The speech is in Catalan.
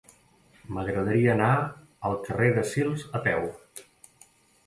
M'agradaria anar al carrer de Sils a peu.